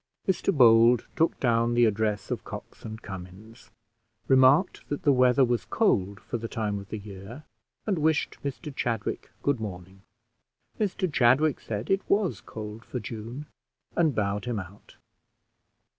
Mr Bold took down the address of Cox and Cummins, remarked that the weather was cold for the time of the year, and wished Mr Chadwick good morning. Mr Chadwick said it was cold for June, and bowed him out.